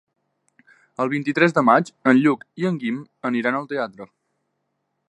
El vint-i-tres de maig en Lluc i en Guim aniran al teatre.